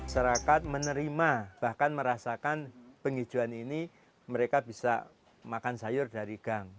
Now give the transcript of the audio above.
serakat menerima bahkan merasakan penghijauan ini mereka bisa makan sayur dari gang